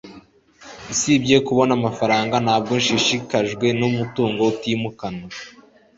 usibye kubona amafaranga, ntabwo nshishikajwe numutungo utimukanwa